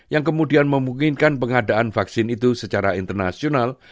yang kemudian memungkinkan pengadaan vaksin itu secara internasional